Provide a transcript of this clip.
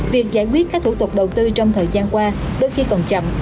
việc giải quyết các thủ tục đầu tư trong thời gian qua đôi khi còn chậm